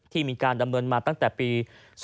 มีการดำเนินมาตั้งแต่ปี๒๕๖